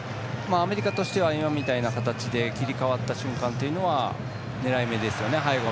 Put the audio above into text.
アメリカとしては今みたいな形で切り替わった瞬間というのは狙い目ですよね。